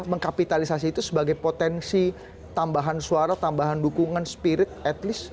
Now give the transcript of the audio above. mengkapitalisasi itu sebagai potensi tambahan suara tambahan dukungan spirit at least